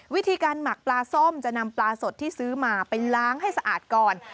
วิธีการหมักปลาส้มจะนำปลาสดที่ซื้อมาไปล้างให้สะอาดก่อน